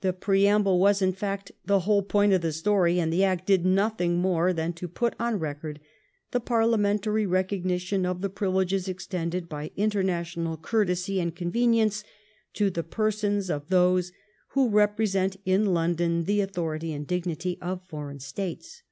The preamble was, in fact, the whole point of the story, and the Act did nothing more than put on record the parliamentary recognition of the privileges extended by international courtesy and convenience to the persons of those who repre sent in London the authority and dignity of foreign States.